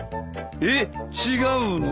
えっ違うの？